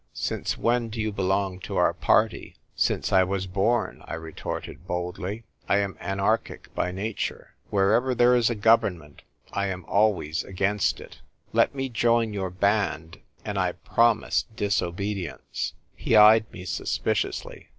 Since when do you belong to our party ?"" Since I was born," I retorted, boldly. " 1 am anarchic by nature. Wherever there E 58 THE TYPE WRITER GIRL. is a government, I am always against it. Let me join your band — and I promise dis obedience." He eyed me suspiciously.